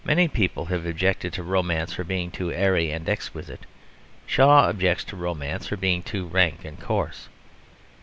Many people have objected to romance for being too airy and exquisite. Shaw objects to romance for being too rank and coarse.